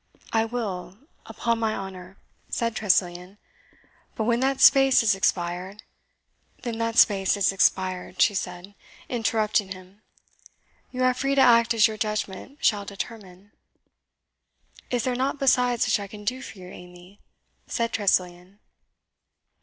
"I will upon my honour," said Tressilian; "but when that space is expired " "Then that space is expired," she said, interrupting him, "you are free to act as your judgment shall determine." "Is there nought besides which I can do for you, Amy?" said Tressilian.